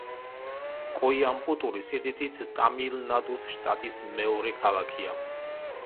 კოიამპუტური სიდიდით ტამილნადუს შტატის მეორე ქალაქია.